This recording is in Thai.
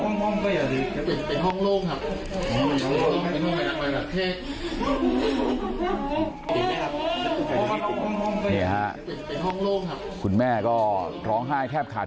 นี่ฮะไปห้องโลกครับคุณแม่ก็ร้องไห้แคบขาด